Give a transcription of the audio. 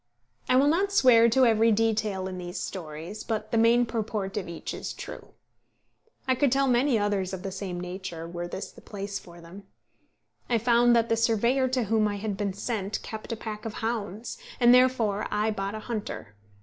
I will not swear to every detail in these stories, but the main purport of each is true. I could tell many others of the same nature, were this the place for them. I found that the surveyor to whom I had been sent kept a pack of hounds, and therefore I bought a hunter.